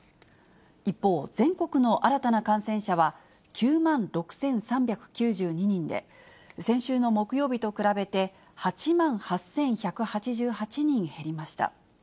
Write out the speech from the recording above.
一方、全国の新たな感染者は９万６３９２人で、先週の木曜日と比べて８万８１８８人減りました。